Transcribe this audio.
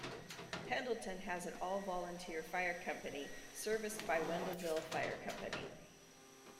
Pendleton has an all-volunteer fire company serviced by Wendelville Fire company.